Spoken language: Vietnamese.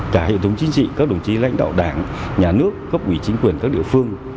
cả hệ thống chính trị các đồng chí lãnh đạo đảng nhà nước cấp quỷ chính quyền các địa phương